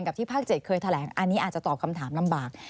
ที่ภาค๗เคยแถลงอันนี้อาจจะตอบคำถามลำบาก